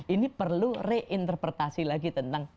ini perlu reinterpretasi lagi tentang